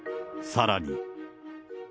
さらに。